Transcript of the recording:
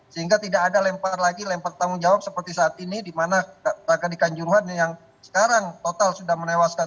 sehingga tidak ada lempar lagi lempar yang bertanggung jawab seperti saat ini di manaidy kan juruhan yang sekarang total sudah merewas satu ratus tiga puluh tiga orang